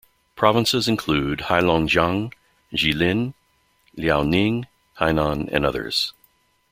Provinces include Heilongjiang, Jilin, Liaoning, Hainan, and others.